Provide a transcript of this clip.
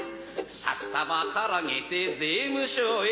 札束からげて税務署へ。